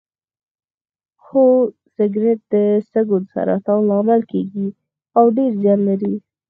هو سګرټ د سږو د سرطان لامل کیږي او ډیر زیان لري